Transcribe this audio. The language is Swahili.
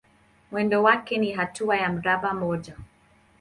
Mwendo wake ni hatua ya mraba mmoja.